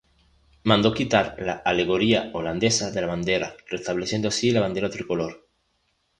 Mandó quitar la alegoría holandesa de la bandera restableciendo así la bandera tricolor.